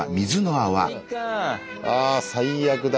あ最悪だ。